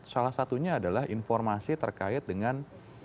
salah satunya adalah informasi terkait dengan